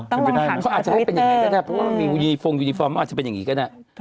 หรือไม่ได้ไหมครับอาจจะเป็นอย่างนี้ก็ได้ครับเพราะว่ามียูนิฟอร์มยูนิฟอร์มอาจจะเป็นอย่างนี้ก็ได้